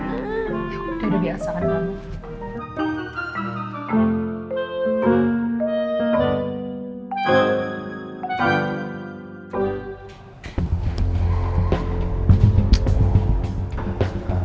ya udah biar sama denganmu